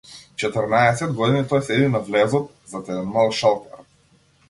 Четрнаесет години тој седи на влезот, зад еден мал шалтер.